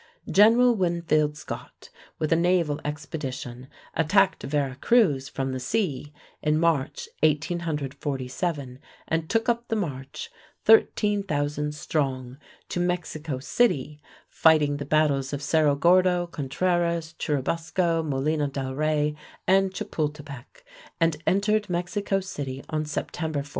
General Winfield Scott, with a naval expediton, attacked Vera Cruz from the sea in March, 1847, and took up the march, 13,000 strong, to Mexico City, fighting the battles of Cerro Gordo, Contreras, Churubusco, Molino del Rey, and Chapultepec, and entered Mexico City on September 14.